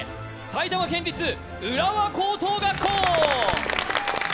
埼玉県立浦和高等学校！